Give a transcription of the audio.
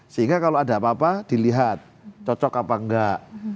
sehingga kalau ada apa apa dilihat cocok apa enggak